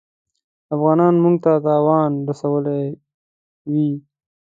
افغانانو موږ ته تاوان رسولی وي.